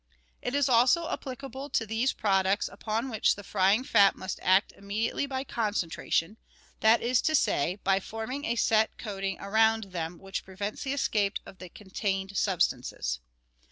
It is also applicable to those products upon which the frying fat must act immediately by concentration — that is to say, by forming a set coating around them which prevents the escape of the contained substances.